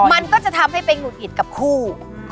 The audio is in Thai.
มันก็จะทำให้ไปหงุดหงิดกับคู่